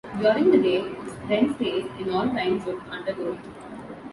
During the day it then stays in all kinds of undergrowth.